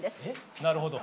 なるほど。